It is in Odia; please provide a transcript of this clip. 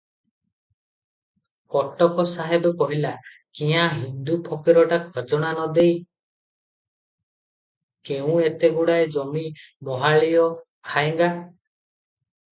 କଟକ ସାହେବ କହିଲା, "କ୍ୟାଁ, ହିନ୍ଦୁ ଫକୀରଟା ଖଜଣା ନ ଦେଇ କେଉଁ ଏତେଗୁଡ଼ାଏ ଜମି ମାହାଳିଅ ଖାଏଙ୍ଗା?